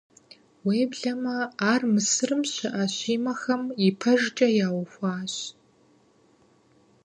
Уеблэмэ ар Мысырым щыӀэ Щимэхэм ипэжкӀэ яухуащ.